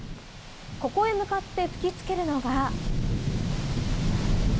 ここへ向かって吹きつけるのが。